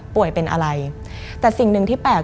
ป่วยเป็นอะไรแต่สิ่งหนึ่งที่แปลก